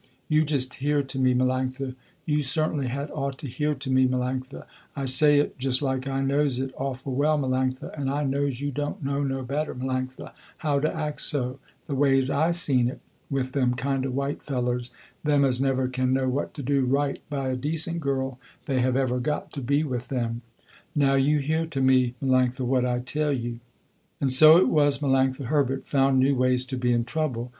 You just hear to me Melanctha, you certainly had ought to hear to me Melanctha, I say it just like I knows it awful well, Melanctha, and I knows you don't know no better, Melanctha, how to act so, the ways I seen it with them kind of white fellers, them as never can know what to do right by a decent girl they have ever got to be with them. Now you hear to me Melanctha, what I tell you." And so it was Melanctha Herbert found new ways to be in trouble.